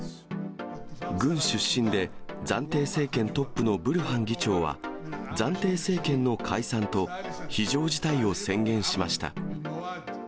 軍出身で、暫定政権トップのブルハン議長は、暫定政権の解散と非常事態を宣言しました。